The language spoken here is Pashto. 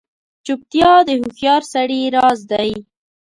چوپتیا، د هوښیار سړي راز دی.